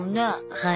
はい。